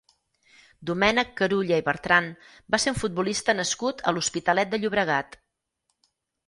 Domènec Carulla i Bertran va ser un futbolista nascut a l'Hospitalet de Llobregat.